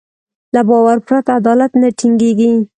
له باور پرته عدالت نه ټينګېږي.